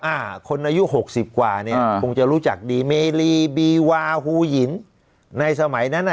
อ่าคนอายุหกสิบกว่าเนี่ยคงจะรู้จักดีเมรีบีวาฮูหินในสมัยนั้นอ่ะ